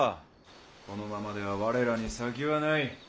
このままでは我らに先はない。